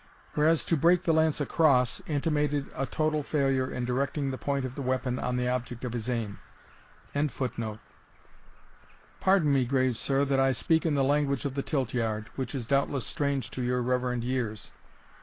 Whereas to break the lance across, intimated a total failure in directing the point of the weapon on the object of his aim.] Pardon me, grave sir, that I speak in the language of the tilt yard, which is doubtless strange to your reverend years.